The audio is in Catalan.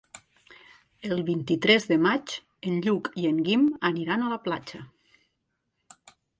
El vint-i-tres de maig en Lluc i en Guim aniran a la platja.